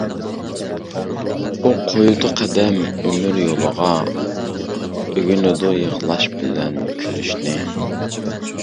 ئۇ قويىدۇ قەدەم ئۆمۈر يولىغا، ئۆگىنىدۇ يىغلاش بىلەن كۈلۈشنى.